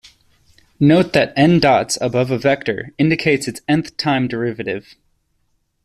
Note that n dots above a vector indicates its nth time derivative.